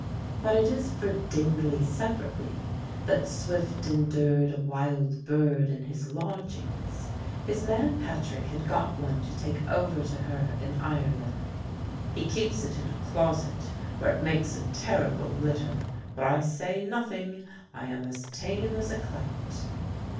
But it is for Dingley separately that Swift endured a wild bird in his lodgings. His man Patrick had got one to take over to her in Ireland. "He keeps it in a closet, where it makes a terrible litter; but I say nothing; I am as tame as a clout."